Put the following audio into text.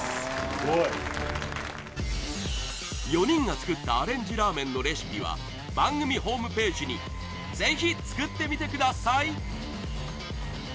４人が作ったアレンジラーメンのレシピは番組ホームページにぜひ作ってみてください